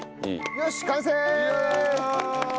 よし完成！